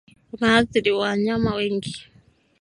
Unaathiri wanyama wengi